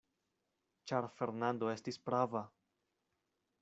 Ĉar Fernando estis prava.